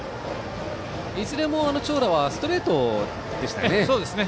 いずれも長打はストレートでしたね。